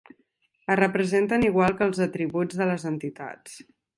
Es representen igual que els atributs de les entitats.